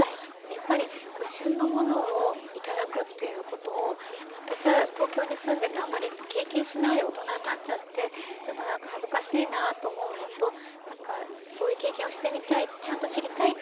やっぱり旬のものを頂くっていうことを私は東京に住んでてあんまり経験しない大人になっちゃってちょっとなんか恥ずかしいなぁと思うのとそういう経験をしてみたいちゃんと知りたいっていう思いがあったんですね。